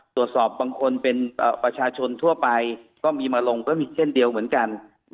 ตรวจสอบบางคนเป็นประชาชนทั่วไปก็มีมาลงเพื่อมีเช่นเดียวเหมือนกัน